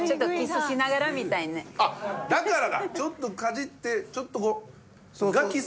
ちょっとかじってちょっとこうがキス。